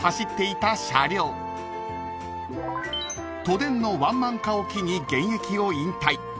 ［都電のワンマン化を機に現役を引退］